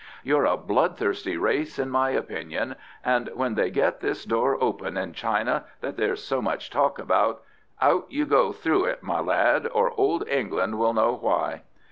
"You're a bloodthirsty race in my opinion, and when they get this door open in China that there's so much talk about, out you go through it, my lad, or old England will know why."